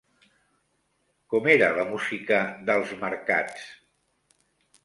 Com era la música d'Els marcats?